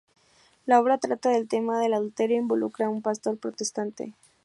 La obra trata el tema del adulterio e involucra a un pastor protestante.